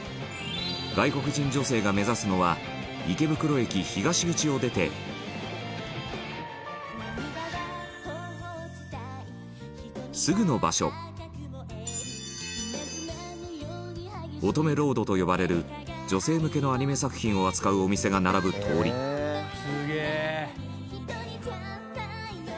外国人女性が目指すのは池袋駅東口を出てすぐの場所「乙女ロード」と呼ばれる女性向けのアニメ作品を扱うお店が並ぶ通り石原：すげえ！